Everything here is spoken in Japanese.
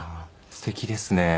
すてきですね。